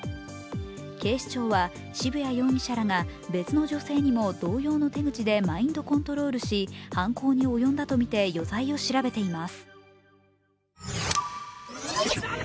警視庁は渋谷容疑者らが別の女性にも同様の手口でマインドコントロールし、犯行に及んだとみて余罪を調べています。